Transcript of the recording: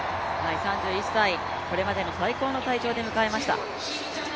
３１歳、これまでの最高の体調で迎えました。